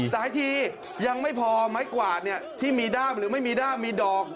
สายทียังไม่พอไม้กวาดที่มีด้ามหรือไม่มีด้ามมีดอก